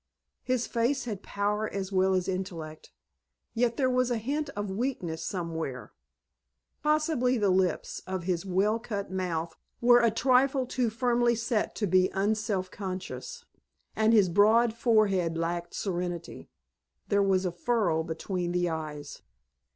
His face had power as well as intellect, yet there was a hint of weakness somewhere. Possibly the lips of his well cut mouth were a trifle too firmly set to be unselfconscious. And his broad forehead lacked serenity. There was a furrow between the eyes.